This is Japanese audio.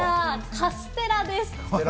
カステラです。